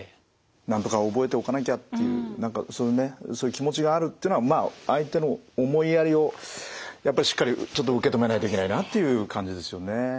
なんとか覚えておかなきゃっていうそういう気持ちがあるっていうのはまあ相手の思いやりをやっぱりしっかりちょっと受け止めないといけないなという感じですよね。